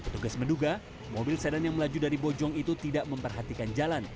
tugas menduga mobil sedan yang melaju dari bojong itu tidak memperhatikan jalan